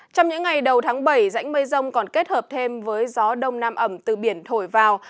trong những ngày đầu tháng bảy rãnh mây rông còn kết hợp thêm với gió đông nam ẩm từ biển thổi vào